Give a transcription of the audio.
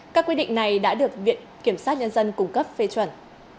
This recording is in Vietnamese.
các quy định này đã được viện kiểm sát nhân dân cung cấp phê chuẩn